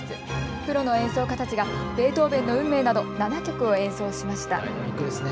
プロの演奏家たちがベートーヴェンの運命など７曲を演奏しました。